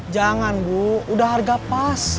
jangan bu udah harga pas